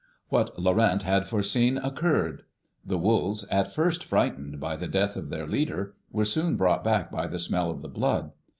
"What Laurent had foreseen occurred. The wolves, at first frightened by the death of their leader, were soon brought back by the smell of the blood.